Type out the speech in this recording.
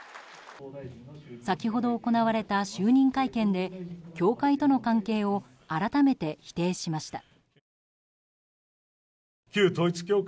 先ほど行われた就任会見で教会との関係を改めて否定しました。